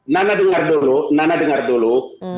nana dengar dulu nana dengar dulu